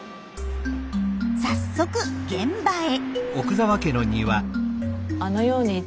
早速現場へ。